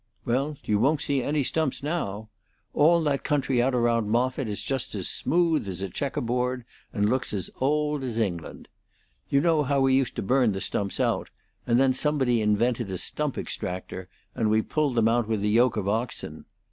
"Well, you won't see any stumps now. All that country out around Moffitt is just as smooth as a checker board, and looks as old as England. You know how we used to burn the stumps out; and then somebody invented a stump extractor, and we pulled them out with a yoke of oxen.